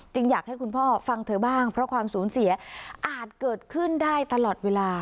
อยากให้คุณพ่อฟังเธอบ้างเพราะความสูญเสียอาจเกิดขึ้นได้ตลอดเวลา